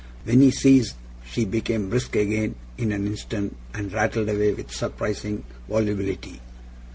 When he ceased she became brisk again in an instant, and rattled away with surprising volubility.